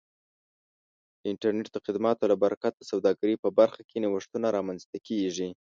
د انټرنیټ د خدماتو له برکت د سوداګرۍ په برخه کې نوښتونه رامنځته کیږي.